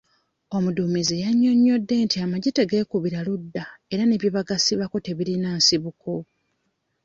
Omudduumizi yannyonyodde nti amagye tegeekubira ludda era byebagasibako tebirina nsibuko.